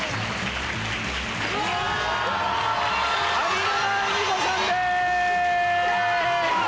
上沼恵美子さんです！